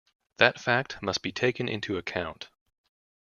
That fact must be taken into account.